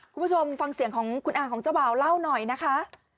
คุณผู้ชมฟังเสียงของคุณอาของเจ้าบ่าวเล่าหน่อยนะคะ